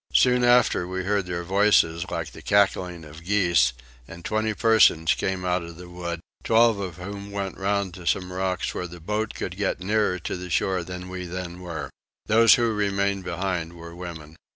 Soon after we heard their voices like the cackling of geese, and twenty persons came out of the wood, twelve of whom went round to some rocks where the boat could get nearer to the shore than we then were. Those who remained behind were women.